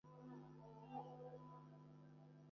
Endeavour, flight বলছি।